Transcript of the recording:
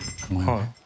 はい。